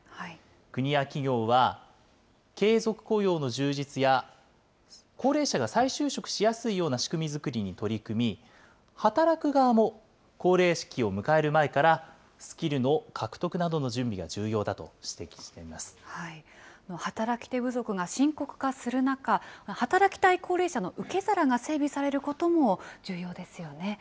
国や企業は継続雇用の充実や、高齢者が再就職しやすいような仕組み作りに取り組み、働く側も高齢期を迎える前からスキルの獲得などの準備が重要だと働き手不足が深刻化する中、働きたい高齢者の受け皿が整備されることも重要ですよね。